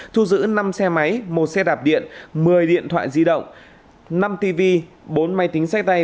thu giữ năm xe máy một xe đạp điện một mươi điện thoại di động năm tv bốn máy tính sách tay